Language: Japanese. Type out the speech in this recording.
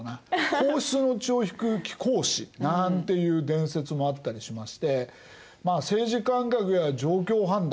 皇室の血を引く貴公子なんていう伝説もあったりしまして政治感覚や状況判断